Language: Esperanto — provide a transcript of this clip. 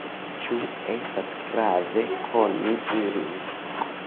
Ĉu estas grave koni ilin?